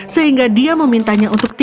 sehingga dia memintanya untuk